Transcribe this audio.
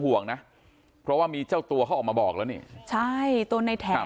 ห่วงนะเพราะว่ามีเจ้าตัวเขาออกมาบอกแล้วนี่ใช่ตัวในแถม